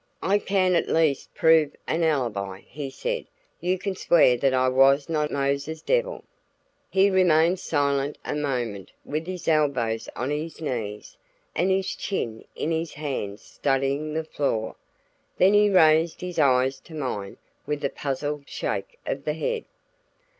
"I can at least prove an alibi," he said. "You can swear that I was not Mose's devil." He remained silent a moment with his elbows on his knees and his chin in his hands studying the floor; then he raised his eyes to mine with a puzzled shake of the head.